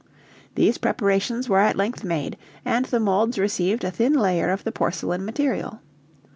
These preparations were at length made, and the molds received a thin layer of the porcelain material.